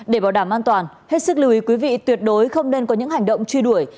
để bảo đảm an toàn hết sức lưu ý quý vị tuyệt đối không nên có những hành động truy đuổi